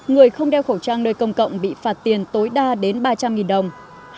người không đeo khẩu trang nơi công cộng bị phạt tiền tối đa đến ba trăm linh đồng